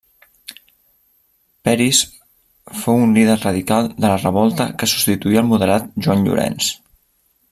Peris fou un líder radical de la revolta que substituí el moderat Joan Llorenç.